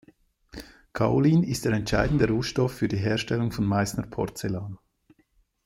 Kaolin ist der entscheidende Rohstoff für die Herstellung von Meißner Porzellan.